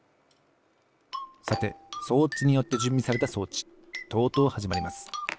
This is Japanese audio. さて装置によってじゅんびされた装置とうとうはじまります。